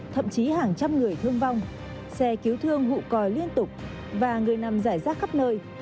thậm chí hàng trăm người thương vong xe cứu thương hụi liên tục và người nằm giải rác khắp nơi